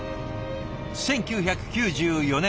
１９９４年